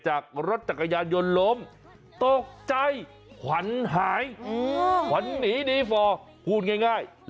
จากรถจักรยานยนต์ล้มตกใจขวัญหายขวัญหนีดีฟอร์พูดง่าย